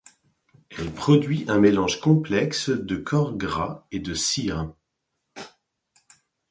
Elle produit un mélange complexe de corps gras et de cires.